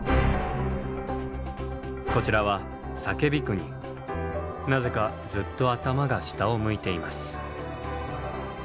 こちらはなぜかずっと頭が下を向いています。